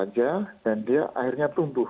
dan dia akhirnya tumbuh